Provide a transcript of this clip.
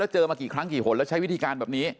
เจอมากี่ครั้งกี่หนแล้วใช้วิธีการแบบนี้